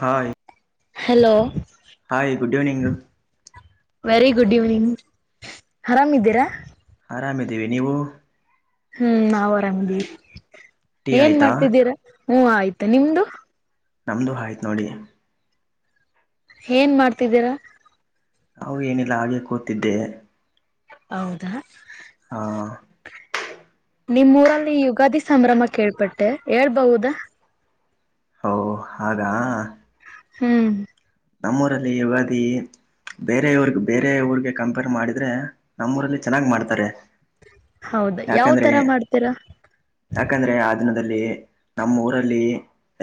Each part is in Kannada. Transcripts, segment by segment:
Hi hello hi good evening very good evening ಆರಾಮ್ ಇದ್ದೀರಾ ಆರಾಮಿದ್ದೀವಿ ನೀವು ಹ್ಮ್ ನಾವ್ ಆರಾಮ್ದೀರಿ ಟೀ ಏನ್ ಆಯ್ತಾ ಮಾಡ್ತಿದ್ದೀರಾ ಹ್ಮ ಆಯ್ತಾ ನಿಮ್ದು? ನಮ್ದು ಆಯ್ತು ನೋಡಿ ಏನ್ ಮಾಡ್ತಿದ್ದೀರಾ? ನಾವು ಏನಿಲ್ಲ ಹಾಗೆ ಕೂತಿದ್ದೆ. ಹೌದಾ ಹಾ ನಿಮ್ಮೂರಲ್ಲಿ ಯುಗಾದಿ ಸಂಭ್ರಮ ಕೇಳ್ಪಟ್ಟೆ ಹೇಳ್ಬಹುದಾ? ಹೌ ಆಗ ಹ್ಮ್ ನಮ್ಮೂರಲ್ಲಿ ಯುಗಾದಿ ಬೇರೆ ಊರ್ಗ್ ಬೇರೆ ಊರ್ಗೆ ಕಂಪೇರ್ ಮಾಡಿದ್ರೆ ನಮ್ಮ ಊರಲ್ಲಿ ಚೆನ್ನಾಗ್ ಮಾಡ್ತಾರೆ ಹೌದ ಯಾವ ಯಾಕಂದ್ರೆ ತರ ಮಾಡ್ತೀರಾ ಯಾಕಂದ್ರೆ ಆ ದಿನದಲ್ಲಿ ನಮ್ಮ ಊರಲ್ಲಿ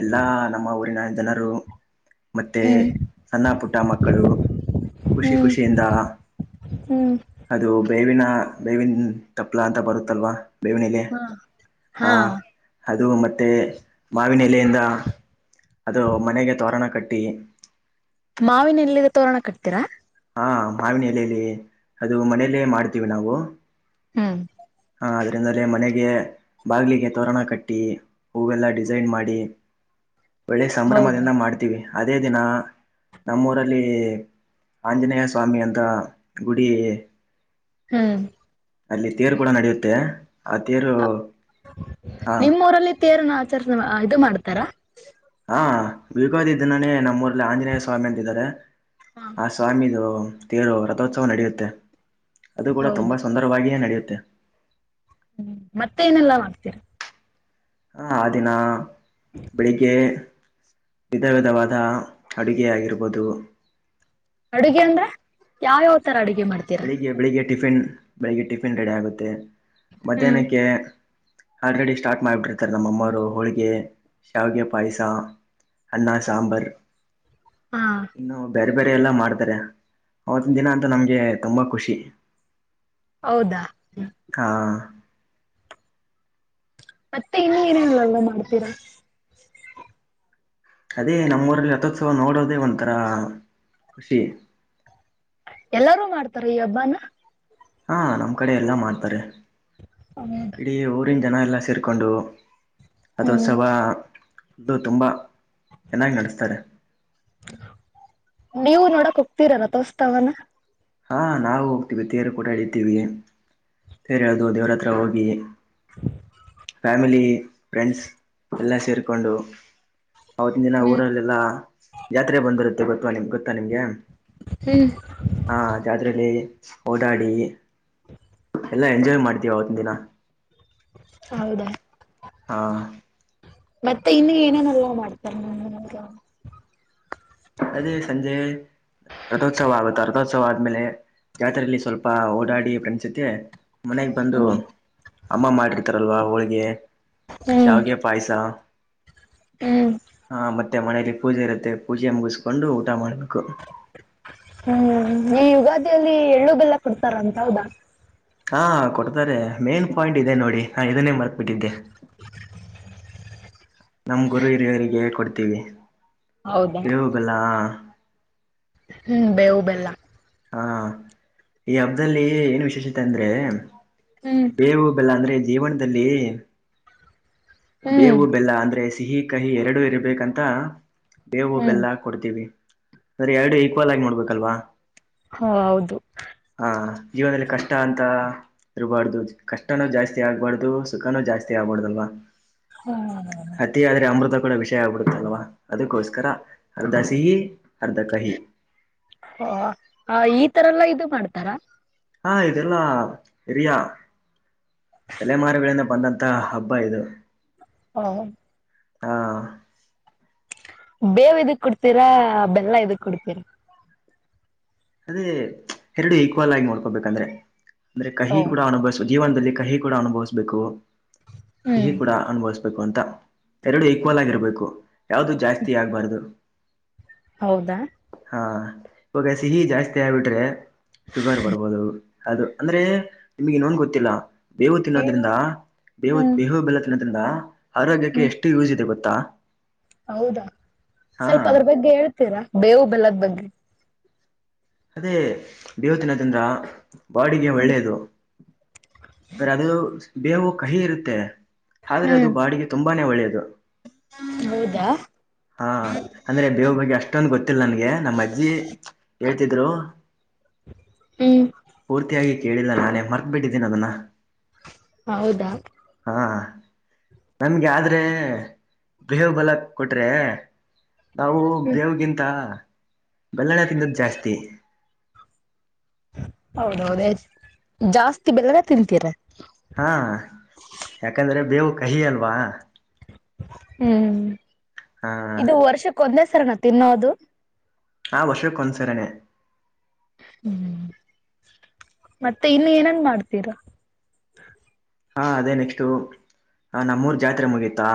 ಎಲ್ಲಾ ನಮ್ಮ ಊರಿನ ಜನರು ಮತ್ತೆ ಹ್ಮ್ ಸಣ್ಣ ಪುಟ್ಟ ಮಕ್ಕಳು ಖುಷಿ ಹ್ಮ್ ಖುಷಿಯಿಂದ ಹ್ಮ್ ಅದು ಬೇವಿನ ಬೇವಿನ ತಪ್ಲ ಅಂತ ಬರುತ್ತಲ್ವಾ ಭೇವಿ [unintelligible] ಹ [unintelligible] ಹಾ ಅದು ಮತ್ತೆ ಮಾವಿನ ಎಲೆಯಿಂದ ಅದು ಮನೆಗೆ ತೋರಣ ಕಟ್ಟಿ ಮಾವಿನಎಲೆಲ್ಲಿ ತೋರಣ ಕಟ್ತೀರಾ ಹಾ ಮಾವಿನ ಎಲೆಯಲ್ಲಿ ಅದು ಮನೇಲ್ಲೇ ಮಾಡ್ತೀವಿ ನಾವು. ಹಾ. ಹಾ ಅದರಿಂದಲೇ ಮನೆಗೆ, ಬಾಗ್ಲಿಗೆ ತೋರಣ ಕಟ್ಟಿ, ಹೂವೆಲ್ಲ ಡಿಸೈನ್ ಮಾಡಿ. ಒಳ್ಳೆ ಹೌದಾ ಸಂಭ್ರಮದಿಂದ ಮಾಡ್ತೀವಿ. ಅದೇ ದಿನ ನಮ್ಮೂರಲ್ಲಿ ಆಂಜನೇಯ ಸ್ವಾಮಿ ಅಂತ ಗುಡಿ. ಹ್ಮ್ ಅಲ್ಲಿ ತೇರು ಕೂಡ ನಡೆಯುತ್ತೆ. ಆ ತೇರು, ಹಾ ನಿಮ್ಮೂಊರಲ್ಲಿ ತೇರನ ಆಚರಣೆ ಇದು ಮಾಡ್ತಾರಾ. ಹಾ [unintelligible] ಇದ್ದನಾನೇ ನಮ್ಮ ಊರ್ಲ್ಲಿ ಆಂಜನೇಯ ಸ್ವಾಮಿ ಅಂತಿದ್ದಾರೆ. ಹಾ. ಆ ಸ್ವಾಮಿದು ತೇರು ರಥೋತ್ಸವ ನಡೆಯುತ್ತೆ ಅದು ಕೂಡ ತುಂಬ ಹೌದಾ ಸುಂದರವಾಗಿಯೇ ನಡೆಯುತ್ತೆ. ಹ್ಮ್ ಮತ್ತೆ ಏನೆಲ್ಲಾ ಮಾಡ್ತೀರಾ. ಹಾ ಆ ದಿನ ಬೆಳಿಗ್ಗೆ. ವಿಧ ವಿಧವಾದ ಅಡುಗೆ ಆಗಿರ್ಬೋದು. ಅಡುಗೆ ಅಂದ್ರೆ ಯಾವ ಯಾವ ತರ ಅಡುಗೆ ಮಾಡ್ತ ಬೆಳಿಗ್ಗೆ ಬೆಳಿಗ್ಗೆ ಟಿಫಿನ್ ಬೆಳಿಗ್ಗೆ ಟಿಫಿನ್ ರೆಡಿ ಆಗುತ್ತೆ. ಹ್ಮ್ ಮಧ್ಯಾಹ್ನಕ್ಕೆ, ಆಲ್ರೆಡಿ ಸ್ಟಾರ್ಟ್ ಮಾಡಿಬಿಟ್ಟಿರ್ತಾರೆ ನಮ್ಮಅಮ್ಮರು ಹೋಳಿಗೆ ಶಾವಿಗೆ ಪಾಯಸ. ಅ್ಣ ಸಾಂಬಾರ. ಹಾ ಇನ್ನು ಬೇರೆ ಬೇರೆ ಎಲ್ಲ ಮಾಡ್ತಾರೆ ಅವತ್ತಿನ ದಿನ ಅಂತ ನಮ್ಗೆ ತುಂಬಾ ಖುಷಿ. ಹೌದಾ. ಹಾ. ಮತ್ತೆ ಇನ್ನು ಏನೇನೆಲ್ಲ ಮಾಡ್ತೀರಾ. ಅದೇ ನಮ್ಮ ಊರಲ್ಲಿ ರಥೋತ್ಸವ ನೋಡೋದೇ ಒಂಥರ ಖುಷಿ. ಎಲ್ಲಾರೂ ಮಾಡ್ತಾರೆ ಈ ಹಬ್ಬನಾ. ಹಾ ನಮ್ ಕಡೆ ಎಲ್ಲಾ ಮಾಡ್ತಾರೆ. [inaudible] ಇ ಊರಿನ ಜನ ಎಲ್ಲ ಸೇರಕೊಂಡು ಹ್ಮ್ [unintelligible] ತುಂಬ ಚೆನ್ನಾಗ್ ನಡೆಸ್ತಾರೆ. ನೀವು ನೋಡಕ್ ಹೋಗ್ತೀರಾ ರಾಥೋತ್ಸವನಾ. ಹಾಂ ನಾವು ಹೋಗ್ತೀವಿ ತೇರು ಕೂಡ ಎಳಿತೀವಿ. ತೇರು ಎಳದು ದೇವ್ರ ಹತ್ರ ಹೋಗಿ. ಫ್ಯಾಮಿಲಿ ಫ್ರೆಂಡ್ಸ್ ಎಲ್ಲ ಸೇರಕೊಂಡು. ಆವತ್ತಿನ ದಿನ ಹ್ಮ್ ಊರಲ್ಲೆಲ್ಲಾ ಜಾತ್ರೆ ಬಂದಿರುತ್ತೆ ಗೊತ್ತವಾ ನಿಮ್ಗೆ ಗೊತ್ತಾ ನಿಮ್ಗೆ. ಹ್ಮ್. ಹಾ ಜಾತ್ರೆಲಿ ಓಡಾಡಿ. ಎಲ್ಲ ಎಂಜಾಯ್ ಮಾಡ್ತೀವಿ ಆವತ್ತಿನ ದಿನ. ಹೌದಾ. ಹಾ ಮತ್ತೆ ಇನ್ನು ಏನೇನೆಲ್ಲ ಮಾಡ್ತಾರೆ. [unintelligible] ಅದೇ ಸಂಜೆ ರಥೋತ್ಸವ ಆಗುತ್ತೆ. ರಥೋತ್ಸವ ಆದ್ಮೇಲೆ, ಜಾತ್ರರೆೆಯಲ್ಲಿ ಸ್ವಲ್ಪ ಓಡಾಡಿ ಫ್ರೆಂಡ್ಸ್ ಜೊತೆ. ಮನೆಗ್ ಬಂದು ಅಮ್ಮ ಮಾಡಿರ್ತಾರಲ್ವಾ ಹೋಳಿಗೆ ಹ್ಮ್ ಶಾವಗೆ. ಪಾಯಸ ಹ್ಮ್ ಹ ಮತ್ತೆ ಮನೇಲಿ ಪೂಜೆ ಇರುತ್ತೆ. ಪೂಜೆ ಮುಗಿಸ ಕೊಂಡು ಊಟ ಮಾಡ್ಬೇಕು. ಹ್ಮ್ ಈ ಯುಗಾದಿಯಲ್ಲಿ ಎಳ್ಳುಗಬೇಲ್ಲ ಕೊಡ್ತಾರಂತ ಹೌದಾ. ಹಾ ಕೊಡ್ತಾರೆ ಮೇನ್ ಪಾಯಿಂಟ್ ಇದೆ ನೋಡಿ ನಾ ಇದನ್ನೇ ಮರ್ತ್ ಬಿಟ್ಟಿದ್ದೆ. [inaudible] ನಮ್ಮ ಗುರು ಹಿರಿಯರಿಗೆ ಕೊಡ್ತೀವಿ ಹೌದಾ ಬೇವು ಬೆಲ್ಲಾ. ಹ್ಮ್ ಬೇವು ಬೆಲ್ಲ. ಹ್ಮ್ಮ್ ಈ ಹಬ್ದಲ್ಲಿ ಏನು ವಿಶೇಷತೆ ಅಂದ್ರೆ. ಹ್ಮ ಬೇವು ಬೆಲ್ಲ ಅಂದ್ರೆ ಜೀವನದಲ್ಲಿ ಹ್ಮ್ ಬೇವು ಬೆಲ್ಲ ಅಂದ್ರೆ ಸಿಹಿ ಕಹಿ ಎರಡು ಇರ್ಬೇಕಂತ ಬೇವು ಹ್ಮ್ ಬೆಲ್ಲ. ಕೊಡ್ತೀವಿ ಸರಿ ಎರಡು ಈಕ್ವಲಾಗಿ ನೋಡ್ಬೇಕಲ್ವಾ. ಹಾ ಹೌದು. ಹಾ ಜೀವನದಲ್ಲಿ ಕಷ್ಟ ಅಂತ. ಇರ್ಬಾಡ್ದ ಕಷ್ಟನೂ ಜಾಸ್ತಿ ಆಗ್ಬಾಡಾದು ಸುಖನೂ ಜಾಸ್ತಿ ಆಬಾಡದಲ್ವ. ಹ್ಮ್ ಅತಿ ಆದ್ರೆ ಅಮೃತ ಕೂಡ ವಿಷಯ ಆಗ್ಬಿಡುತ್ತಲ್ವಾ ಅದಕ್ಕೋಸ್ಕರ ಅರ್ಧ ಸಿಹಿ ಅರ್ಧ ಕಹಿ. ಹೊಓ ಈ ತರಲ್ಲ ಇದು ಮಾಡ್ತಾರಾ. ಹಾ ಇದೆಲ್ಲಾ ಸರಿಯಾ. ತಲೆಮಾರುಗಳಿಂದ ಬಂದಂತ ಹಬ್ಬ ಇದು. ಹ [unintelligible] ಹಾ ಬೇವು ಇದಕ್ ಕೊಡ್ತೀರಾ ಬೆಲ್ಲ ಇದಕ್ ಕೊಡ್ತೀರಾ. ಅದೇ ಎರಡು ಈಕ್ವಲಾಗಿ ನೋಡ್ಕೋಬೇಕಂದ್ರೆ ಅಂದ್ರೆ ಓ ಕಹಿ ಕೂಡ ಅನುಭವಿಸ ಜೀವನದಲ್ಲಿ ಕಹಿ ಕೂಡ ಅನುಭವಿಸಬೇಕು ಸಿಹಿ ಹ್ಮ್ ಕೂಡ ಅನುಭವಿಸ ಬೇಕು ಅಂತ ಎರಡು ಈಕ್ವಲ್ ಆಗಿರ್ಬೇಕು ಯಾವ್ದು ಜಾಸ್ತಿ ಆಗ್ಬಾರದು. ಹೌದಾ ಹಾ ಇವಾಗ ಸಿಹಿ ಜಾಸ್ತಿ ಆಗ್ಬಿಟ್ರೆ ಶುಗರ್ ಬರ್ಬೋದು. ಅದು ಅಂದ್ರೆ ನಿಮ್ಗೆ ಇನ್ನೊನ್ ಗೊತ್ತಿಲ್ಲ ಬೇವು ಏನು ತಿನ್ನೋದ್ರಿಂದ ಬೇವು ಹ್ಮ್ ಬೇವು ಬೆಲ. ತಿನ್ನದ್ರಿಂದ ಆರೋಗ್ಯಕ್ಕೆ ಹ್ಮ್ ಎಷ್ಟು ಯೂಜ್ ಇದೆ ಗೊತ್ತಾ. ಹೌದಾ ಹಾ ಸ್ವಲ್ಪ ಅದ್ರ ಬಗ್ಗೆ ಹೇಳ್ತೀರಾ ಬೇವು ಬೆಲ್ಲದ ಬಗ್ಗೆ. ಅದೇ ಬೇವತ್ತಿನದಿಂದ. ಬಾಡಿಗೆ ಒಳ್ಳೇದು ಖರೆ ಅದು ಬೇವು ಕಹಿ ಇರುತ್ತೆ. ಆದ್ರೆ ಅದು ಹ್ಮ್ ಬಾಡಿಗೆ ತುಂಬಾನೇ ಒಳ್ಳೆಯದು. ಹೌದಾ. ಹಾ ಅಂದ್ರೆ ಬೇವ ಬಗ್ಗೆ ಅಷ್ಟೊಂದು ಗೊತ್ತಿಲ್ಲ ನನ್ಗೆ ನಮ್ಮಜ್ಜಿ. ತಿದ್ರು. ಹ್ಮ. ಪೂರ್ತಿಯಾಗಿ ಕೇಳಿಲ್ಲ ನಾನೇ ಮರ್ತ್ಬಿಟ್ಟಿದ್ದೀನ ಅದನ್ನ. ಹೌದಾ ಹಾ ನನ್ಗೆ ಆದ್ರೆ ಬೇವು ಬೆಲ್ಲ ಕೊಟ್ರೆ. ನಾವು ಬೇವುಗಿಂತ ಬೆಲ್ಲನೆ ತಿಂದದ ಜಾಸ್ತಿ. ಹೌದೌದ ಎಸ್ ಜಾಸ್ತಿ ಬೆಲ್ಲನೆ ತಿಂತೀರ. ಹಾ ಯಾಕಂದ್ರೆ ಬೇವು ಕಹಿ ಅಲ್ವಾ. ಹ್ಮ್ ಹಾ ಇದು ವರ್ಷಕ್ಕ ಒಂದೇ ಸರ್ನಾ ತಿನ್ನೋದು. ಹಾ ವರ್ಷಕ್ಕೊಂದ್ಸರಿನೆೆ. ಹ್ಮ್ ಮತ್ತೆ ಇನ್ನು ಏನನ್ ಮಾಡ್ತೀರಾ. ಹಾಂ ಅದೇ ನೆಕ್ಸ್ಟು ಹಾ ನಮ್ಮೂರು ಜಾತ್ರೆ ಮುಗಿತಾ.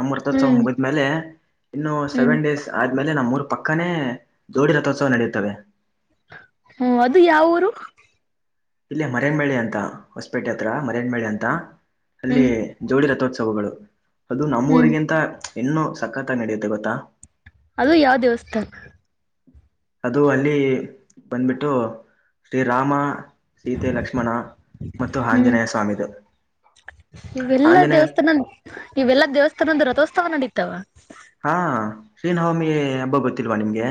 ಅಮ್ಮೃತೋತ್ಸವ ಹ್ಮ್ ಮುಗ್ದ ಮೇಲೆ ಇನ್ನು ಹ್ಮ್ ಸೆವೆನ್ ಡೇಸ್. ಆದ್ಮೇಲೆ ನಮ್ ಊರ್ ಪಕ್ಕನೇ ಜೋಡಿ ರಥೋತ್ಸವ ನಡೆಯುತ್ತವೆ. ಹ್ಮ ಅದು ಯಾವ ಊರು? ಇಲ್ಲಿ ಮರೇಮಬಳ್ಳಿ ಅಂತ ಹೊಸ್ಪೇಟೆ ಹತ್ರ ಮರೇಮಬಿಳ್ಳಿ ಅಂತ ಅಲ್ಲಿ ಹ್ಮ್ ಜೋಡಿ ರಥೋತ್ಸವಗಳು ಅದು ಹ್ಮ್ ನಮ್ಮೂಊರಿಗಿಂತ ಇನ್ನೂ ಸಖತ್ತಾಗಿ ನಡೆಯುತ್ತೆ ಗೊತ್ತಾ? ಅದು ಯಾವ ದೇವಸ್ಥಾನ? ಅದು ಅಲ್ಲಿ ಬಂದ್ಬಿಟ್ಟು ಶ್ರೀ ರಾಮ ಸೀತೆ ಲಕ್ಷ್ಮಣ ಮತ್ತು ಹ್ಮ್ ಆಂಜನೇಯ ಸ್ವಾಮಿದು ಇವೆಲ್ಲಾ ಆಂಜನೇಯ ದೇವಸ್ಥಾನ ಇವೆಲ್ಲಾ ದೇವಸ್ಥಾನದ ರಥೋತ್ಸವ ನಡೀತಾವ ಹಾ ಶ್ರೀನವಮಿ ಹಬ್ಬ ಗೊತ್ತಿಲ್ವಾ ನಿಮ್ಗೆ?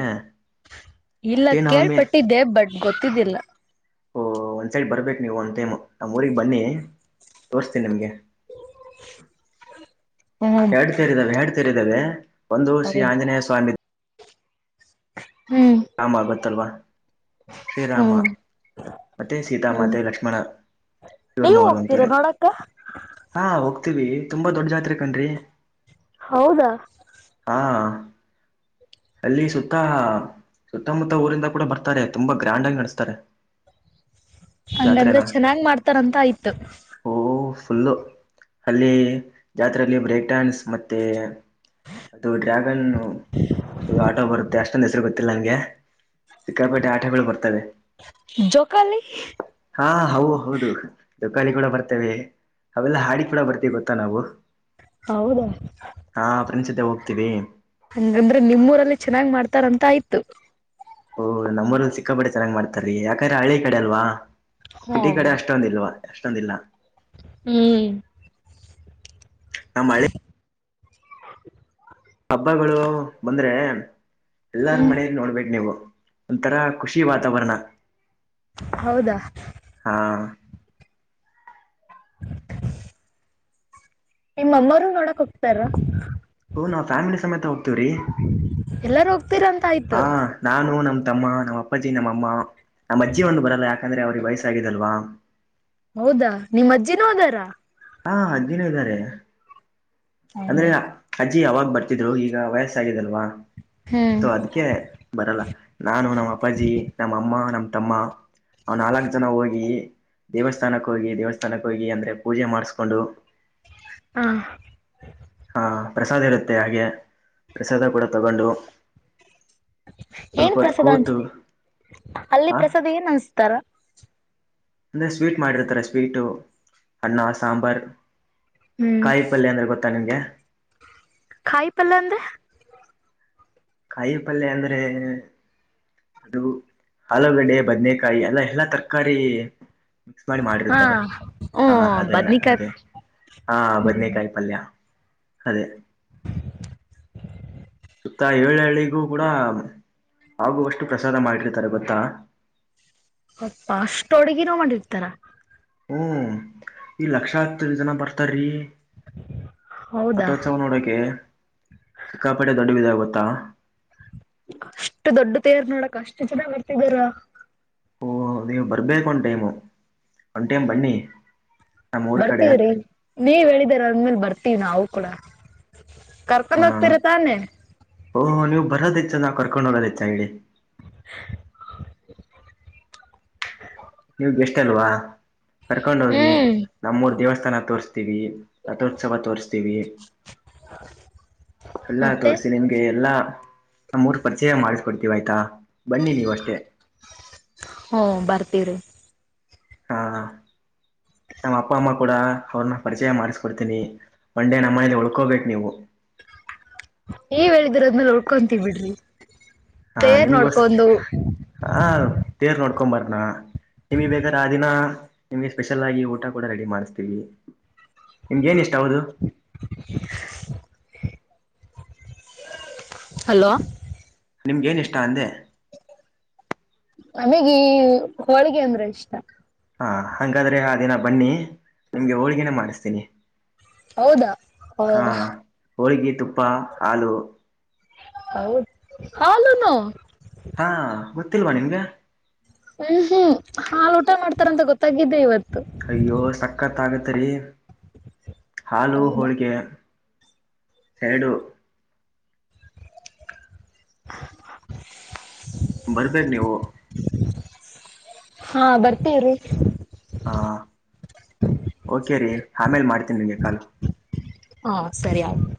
ಇಲ್ಲ ಶ್ರೀನವಮಿ ಕೇಳ್ಪಟ್ಟಿದ್ದೆ ಬಟ್ ಗೊತ್ತಿದ್ದಿಲ್ಲ. ಓಹ ಒಂದು ಸೈಡ್ ಬರ್ಬೇಕು ನೀವು ಒಂದು ಟೈಮ್ ನಮ್ಮ ಊರಿಗೆ ಬನ್ನಿ ತೋರಿಸ್ತೀನಿ ನಿಮಗೆ ಹ್ಮ್ ಹೆಡ್ತರಿದಾವೆ ಹೇಡ್ತರಿದ್ದಾವೆ ಒಂದು ಶ್ರೀ ಹೌದು ಆಂಜನೇಯ ಸ್ವಾಮಿ ಹ್ಮ್ ಹಂಬ ಆಗತ್ತಲ್ವಾ ಶ್ರೀರಾಮ. ಹ್ಮ್ ಮತ್ತೆ ಹ್ಮ್ ಸೀತಾಮಾತೆ ಲಕ್ಷ್ಮಣ ನೀವು ಪೂರ್ಮೋಹರ್ [unintelligible] ಅಂತರ ಹೋಗ್ತೀರಾ ನೋಡಕ್ಕ ಹಾ ಹೋಗ್ತೀವಿ ತುಂಬಾ ದೊಡ್ಡ ಜಾತ್ರೆ ಕನಂಣ್ರೀ ಹೌದಾ ಹಾ ಅಲ್ಲಿ ಸುತ್ತ ಸುತ್ತಮುತ್ತ ಊರಿಂದ ಕೂಡ ಬರ್ತಾರೆ. ತುಂಬಾ ಗ್ರಾಂಡ್ ಆಗಿ ನಡೆಸ್ತಾರೆ. ಹಂಗಂದ್ರೆ ಜಾತ್ರೆನ ಚೆನ್ನಾಗ್ ಮಾಡ್ತಾರಂತ ಆಯ್ತು ಓ ಫುಲ್ಲು ಅಲ್ಲಿ ಜಾತ್ರೆಯಲ್ಲಿ ಬ್ರೇಕ್ ಡ್ಯಾನ್ಸ್ ಮತ್ತೆ ಅದು ಡ್ರ್ಯಾಗನ್ ಇದು ಆಟೋ ಬರುತ್ತೆ ಅಷ್ಟ. ಇಂದು ಹೆಸರು ಗೊತ್ತಿಲ್ಲ ನನ್ಗೆ ಸಿಕ್ಕಾಪೇಟೆ ಆಟಗಳು ಬರ್ತವೇ ಜೋಕಾಲಿ ಹಾ ಹೌ ಹೌದು ಜೋಕಾಲಿ ಕೂಡ ಬರ್ತೇವೆ ಅವೆಲ್ಲ ಹಾಡಿ ಕೂಡ ಬರ್ತಿವಿ ಗೊತ್ತಾ ನಾವು ಹೌದಾ? ಹಾ ಫ್ರೆಂಡ್ಸ್ ಜೊತೆ ಹೋಗ್ತೀವಿ ಹಂಗಂದ್ರೆ ನಿಮ್ ಊರಲ್ಲಿ ಚೆನ್ನಾಗ್ ಮಾಡ್ತಾರಂತ ಆಯ್ತು. ಓಹ್ ನಮ್ಮ್ಊಲ್ಲಿ ಸಿಕ್ಕಾಪಡ್ ಚೆನ್ನ್ ಮಾಡ್ತಾರೀ. ಯಾಕಂದ್ರೆ ಹಳ್ಳಿ ಕಡೆ ಅಲ್ವಾ ಹಾ ಸಿಟಿ ಕಡೆ ಅಷ್ಟೊಂದಿಲ್ವಾ. ಎಷ್ಟೊಂದಿಲ್ಲ? ಹ್ಮ್ ನಮ್ ಹಳ್ಳಿ [inaudible] ಹಬ್ಬಗಳು ಬಂದ್ರೆ ಎಲ್ಲಾರ ಹ್ಮ್ ಮನೇಲಿ ನೋಡ್ಬೇಕ್ ನೀವು. ಒಂತರ ಖುಷಿ ವಾತಾವರಣ ಹೌದಾ ಹಾ [inaudible] ನಿಮ್ಮ ಅಮ್ಮರು ನೋಡಕ್ ಹೋಗ್ತಾರ? ಹ್ಞೂ ನಾವು ಫ್ಯಾಮಿಲಿ ಸಮೇತ ಹೋಗ್ತೀವ್ರಿ. ಎಲ್ಲಾರು ಹೋಗ್ತೀರ ಅಂತ ಹಾ ಆಯ್ತು ನಾನು ನಮ್ಮ ತಮ್ಮ, ನಮ್ಮ ಅಪ್ಪಜ್ಜಿ, ನಮ್ಮಅಮ್ಮ, ನಮ್ಮ ಅಜ್ಜಿ, ಒಂದು ಬರಲ್ಲ ಯಾಕಂದ್ರೆ ಅವ್ರಿಗೆ ವಯಸ್ಸಗಿದಲ್ವಾ ಹೌದಾ ನಿಮ್ಮ್ ಅಜ್ಜಿನು ಹದಾರ? ಹಾ ಅಜ್ಜಿನು ಇದ್ದಾರೆ. ಅಂದ್ರೆ ಹೌದು ಅಜ್ಜಿ ಅವಾಗ ಬರ್ತಿದ್ರು ಈಗ ವಯಸ್ಸಾಗಿದಲ್ವಾ ಹ್ಮ್ ಶೋ ಅದ ಕೆ ಬರಲ್ಲ ನಾನು, ನಮ್ಮ್ ಅಪ್ಪಾಜಿ, ನಮ್ಮ ಅಮ್ಮ, ನಮ ತಮ್ಮ. ಅವ್ ನಾಲ್ಕ ಜನ ಹೋಗಿ ದೇವಸ್ಥಾನಕ್ಕೆ ಹೋಗಿ ದೇವಸ್ಥಾನಕ್ಕೆ ಹೋಗಿ ಅಂದ್ರೆ ಪೂಜೆ ಮಾಡಸ್ಕೊಂಡು. ಹಾ. ಹಾಂ ಪ್ರಸಾದ ಇರುತ್ತೆ ಹಾಗೆ ಪ್ರಸಾದ ಕೂಡ ತಗೊಂಡು. ಸ್ವಲ್ಪ ಏನ್ ಹೊತ್ತು ಪ್ರಸಾದ ಅನ್ಚ್ ಕೂತು ಅಲ್ಲಿ ಹ ಪ್ರಸಾದ ಏನ್ ಅನ್ಸ್ತಾರ. ಅಂದ್ರೆ ಸ್ವೀಟ್ ಮಾಡಿರ್ತಾರೆ. ಸ್ವೀಟು, ಅನ್ನ, ಸಾಂಬಾರ್, ಹ್ಮ್ ಕಾಯಿ ಪಲ್ಯ ಅಂದ್ರೆ ಗೊತ್ ತ್ನಗೆ. ಕಾಯಿ ಪಲ್ಯ ಅಂದ್ರೆ. ಕಾಯಿ ಪಲ್ಯ ಅಂದ್ರೆ. ಅದು ಆಲೂಗಡೆ, ಬದನೇಕಾಯಿ, ಅಲ್ಲ ಎಲ್ಲಾ ತರಕಾರಿ. ಮಿಕ್ಸ್ ಮಾಡಿ ಹಾ ಮಾಡಿರ್ತ್ತಾರೆ ಹಾ ಹ್ಮ್ ಅದೇ ಬದ್ನಿಕಾಯಿ ಅದೇ. ಹಾ ಹ್ಮ್ ಬದನೇಕಾಯಿ ಪಲ್ಯ ಅದೇ. ಸುತ್ತ ಏಳ ಹಳ್ಳಿಗೂ ಕೂಡ ಆಗುವಷ್ಟು ಪ್ರಸಾದ ಮಾಡಿರ್ತಾರೆ ಗೊತ್ತಾ. ಯಪ್ಪ ಅಷ್ಟೊಡಗಿನೋ ಮಾಡಿರ್ತಾರ. ಹ್ಮ ಈ ಲಕ್ಷ್ಯತ್ರ ಜನ ಬರ್ತಾರೀ. ಹೌದಾ ರಥೋತ್ಸವ ನೋಡೋಕೆ ಸಿಕ್ಕಾಪೇಟೆ ದೊಡ್ಡವಿದ ಗೊತ್ತಾ. ಅಷ್ಟು ದೊಡ್ಡ ತೇರ್ ನೋಡಕ್ ಅಷ್ಟು ಜನ ಬರ್ತಿದೀರಾ. ಓ ನೀವು ಬರ್ಬೇಕು ಒಂದ್ ಟೈಮು ಒಂದ್ ಟೈಮ್ ಬನ್ನಿ ನಮ್ಮ ಊರ ಕಡೆ. ಬರ್ತೀವ್ರಿ ನೀವ್ ಹೇಳಿದರ ಅಂದ್ಮೇಲ್ ಬರ್ತೀವಿ ನಾವು ಕೂಡ ಕರ್ಕೊಂಡ ಹೋಗ್ತಿರ ತಾನೇ. ಓ ನೀವು ಬರೊದ್ ಹೆಚ್ಚ ನಾ ಕರ್ಕೊಂಡು ಹೋಗೊದ್ ಹೆಚ್ಚ ಹೇಳಿ. [inaudible] ನೀವ್ ಬೇಷ್ಟ ಅಲ್ವಾ ಕರ್ಕೊಂಡ ಹೋಗಿ ಹ್ಮ್ ನಮ್ಮೂರ್ ದೇವಸ್ಥಾನ ತೋರ್ಸ್ತೀವಿ. ರಥೋತ್ಸವ ತೋರಿಸ್ತೀವಿ. ಎಲ್ಲಾ ಮತ್ತೆ ತೋರಿಸ್ತಿನಿ ನಿಮ್ಗೆ ಎಲ್ಲ. ನಮ್ಮ ಊರು ಪರಿಚಯ ಮಾಡ್ಸ ಕೊಡ್ತಿವಿ ಆಯ್ತಾ ಬನ್ನಿ ನೀವ ಅಷ್ಟೇ. ಹ್ಮ್ ಬರ್ತಿವ್ರಿ. ಹಾ. ನಮ್ಮ ಅಪ್ಪ ಅಮ್ಮ ಕೂಡ ಅವ್ರನ್ನ ಪರಿಚಯ ಮಾಡಿಸ್ಕೊಡ್ತೀನಿ ಒನ್ ಡೇ ನಮ್ಮನೇಲಿ ಉಳ್ಕೋಬೇಕು ನೀವು. ನೀವ್ ಹೇಳಿದಿರದ್ಮೇಲೆ ಉಳ್ಕೊಂತೀವಿ ಬಿಡ್ರಿ. ಹಾ ತೇರ್ ನಿಮ್ಗೋಸ್ ನೋಡ್ಕೊಂದು, ಹ ತೇರ್ ನೋಡ್ಕೊ ಬರ್ಣ. ನಿಮ್ಗೆ ಬೇಕಾರೆ ಆ ದಿನ ನಿಮ್ಗೆ ಸ್ಪೆಷಲ್ ಆಗಿ ಊಟ ಕೂಡ ರೆಡಿ ಮಾಡ್ಸ್ತೀವಿ. ನಿಮ್ಗೆ ಏನ ಇಷ್ಟ ಹೌದು. ಹಲೋ. ನಿಮ್ಗೇನ್ ಇಷ್ಟ ಅಂದೆ. ನಮೀಗಿ ಹೋಳಗೆ ಅಂದ್ರೆ ಇಷ್ಟ. ಹಾ ಹಂಗಾದ್ರೆ ಆ ದಿನ ಬನ್ನಿ ನಿಮ್ಗೆ ಹೋಳ್ಗನೆೇ ಮಾಡಿಸ್ತೀನಿ. ಹೌದಾ ಹ. ಹೋಳಿಗಿ ತುಪ್ಪ ಹಾಲು. ಹೌದ್ ಹಾಲುನು. ಹಾ ಗೊತ್ತಿಲ್ವಾ ನಿಮ್ಗ. ಹ್ಮ್ ಹ್ಮ್ ಹಾಲ್ ಊಟ ಮಾಡ್ತಾರ ಅಂತ ಗೊತ್ತಾಗಿದ್ದೆ ಇವತ್ತು. ಅಯ್ಯೋ ಸಕ್ಕತ್ ಆಗುತ್ತೆ ರಿ ಹಾಲು ಹೌದಾ ಹೋಳ್ಗೆ. [inaudible] [inaudible] ಬರ್ಬೇಡ್ ನೀವು. ಹಾ ಬರ್ತೇ ಇರು ಹಾ ಓಕೆ ರೀ ಆಮೇಲೆ ಮಾಡ್ತೀನಿ ನಿಮಗೆ ಕಾಲು. ಹಾ ಸರಿ ಅಯ್ತು